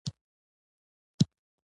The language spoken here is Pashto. الله ج یو دی. شریک نلري.